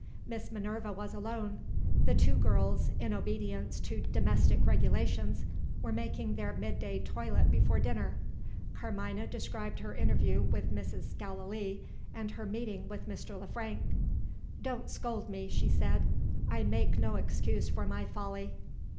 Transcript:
Miss Minerva was alone. The two girls, in obedience to domestic regulations, were making their midday toilet before dinner. Carmina described her interview with Mrs. Gallilee, and her meeting with Mr. Le Frank. "Don't scold me," she said; "I make no excuse for my folly."